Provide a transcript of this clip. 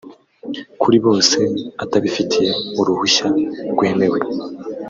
kuri bose atabifitiye uruhushya rwemewe